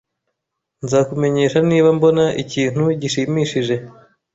Nzakumenyesha niba mbona ikintu gishimishije